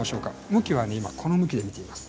向きは今この向きで見ています。